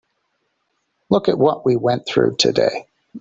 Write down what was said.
Look at what we went through today.